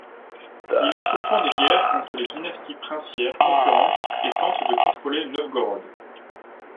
Il entreprend des guerres contre les dynasties princières concurrentes et tente de contrôler Novgorod.